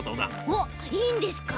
おっいいんですか？